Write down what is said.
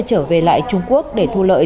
trở về lại trung quốc để thu lợi